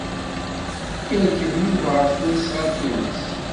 Yerkeb Yuba ɣef tesnasɣalt-nnes.